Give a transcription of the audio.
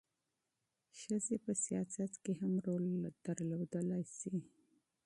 ښځې په سیاست کې هم رول درلودلی شي.